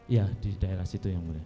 ya di daerah situ yang mulia